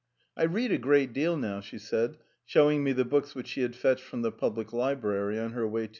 "I read a great deal now," she said, showing me the books she had got out of the town library on her way.